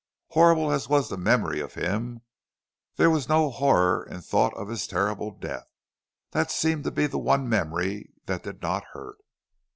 Horrible as was the memory of him, there was no horror in thought of his terrible death. That seemed to be the one memory that did not hurt.